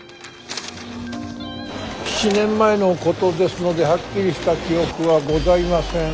７年前のことですのではっきりした記憶はございません。